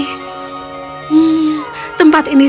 hmm tempat ini